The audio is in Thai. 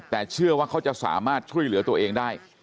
แต่เชื่อว่าเขาจะสามารถช่วยเหลือตัวเองได้